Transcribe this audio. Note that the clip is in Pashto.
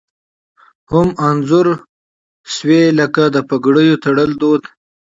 هم انځور شوي لکه د پګړیو تړل دود